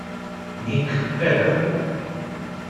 Nick Edel